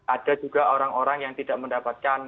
ada juga orang orang yang tidak mendapatkan